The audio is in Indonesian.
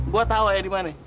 gue tau ayah dimana